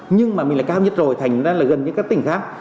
nhưng mà mình lại cao nhất rồi thành ra là gần như các tỉnh khác